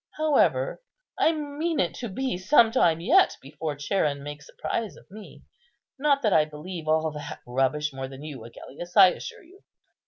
However, I mean it to be some time yet before Charon makes a prize of me; not that I believe all that rubbish more than you, Agellius, I assure you."